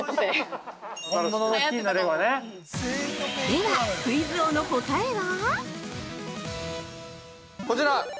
では、クイズ王の答えは？◆こちら。